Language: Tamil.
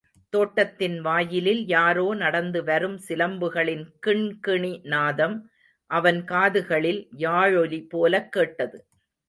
தோட்டத்தின் வாயிலில் யாரோ நடந்து வரும் சிலம்புகளின் கிண்கிணி நாதம் அவன் காதுகளில் யாழொலி போலக் கேட்டது.